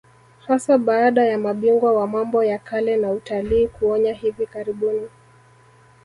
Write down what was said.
Hasa baada ya mabingwa wa mambo ya kale na utalii kuonya hivi karibuni